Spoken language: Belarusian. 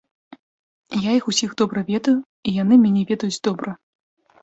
Я іх усіх добра ведаю, і яны мяне ведаюць добра.